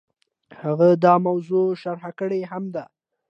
هغه دا موضوع شرح کړې هم ده.